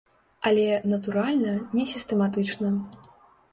Але, натуральна, не сістэматычна.